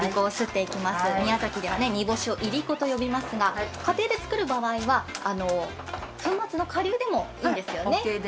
宮崎ではいりこと呼びますが家庭で作る場合は粉末のかりゅうでもいいんですよね？